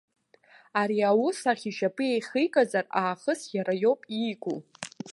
Ари аус ахь ишьапы еихигазар аахыс иароуп иику.